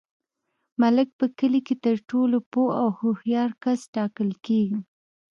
ملک په کلي کي تر ټولو پوه او هوښیار کس ټاکل کیږي.